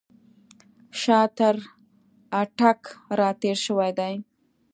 شاه تر اټک را تېر شوی دی.